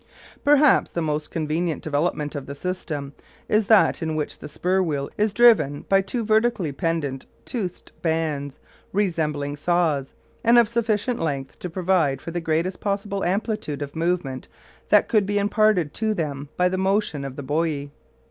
Perhaps the most convenient development of the system is that in which the spur wheel is driven by two vertically pendant toothed bands, resembling saws, and of sufficient length to provide for the greatest possible amplitude of movement that could be imparted to them by the motion of the buoy.